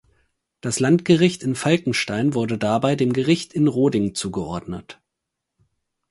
Das Landgericht in Falkenstein wurde dabei dem Gericht in Roding zugeordnet.